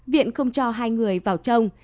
viện không cho hai người vào trong